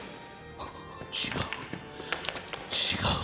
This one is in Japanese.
あぁ違う。